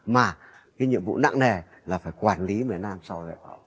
mà cái nhiệm vụ nặng nề là phải quản lý việt nam sau đó